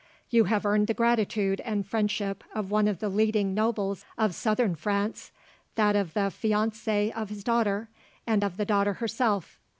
You have earned the gratitude and friendship of one of the leading nobles of Southern France, that of the fiance of his daughter, and of the daughter herself.